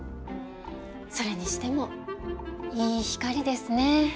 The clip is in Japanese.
それにしてもいい光ですね。